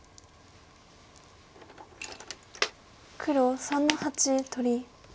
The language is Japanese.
黒３の八取り。